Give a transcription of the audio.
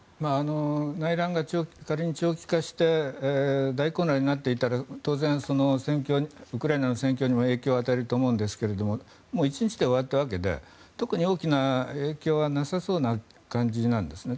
内乱が仮に長期化して大混乱になっていたら当然、ウクライナの戦況にも影響を与えると思いますが１日で終わったわけで特に大きな影響はなさそうな感じなんですね。